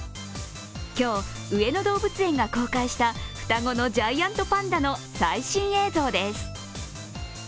今日、上野動物園が公開した双子のジャイアントパンダの最新映像です。